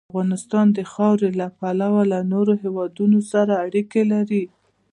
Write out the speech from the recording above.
افغانستان د خاوره له پلوه له نورو هېوادونو سره اړیکې لري.